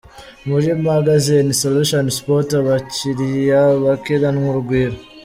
Muri Magasin Solution Sports, abakiriya bakiranwa urugwiro.